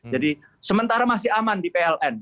jadi sementara masih aman di pln